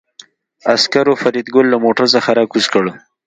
عسکرو فریدګل له موټر څخه راکوز کړ